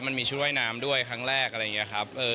มันมีชุดว่ายน้ำด้วยครั้งแรกอะไรอย่างนี้ครับ